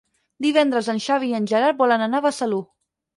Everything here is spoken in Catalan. Divendres en Xavi i en Gerard volen anar a Besalú.